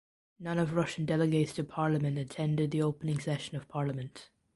None of Russian delegates to Parliament attended the opening session of parliament.